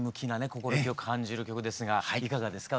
心意気を感じる曲ですがいかがですか？